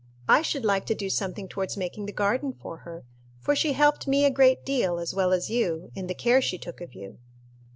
I should like to do something towards making the garden for her, for she helped me a great deal, as well as you, in the care she took of you."